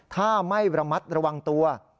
ถ้าไม่ระมัดระวังตัว